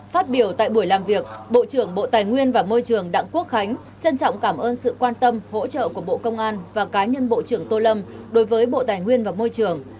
phát biểu tại buổi làm việc bộ trưởng bộ tài nguyên và môi trường đảng quốc khánh trân trọng cảm ơn sự quan tâm hỗ trợ của bộ công an và cá nhân bộ trưởng tô lâm đối với bộ tài nguyên và môi trường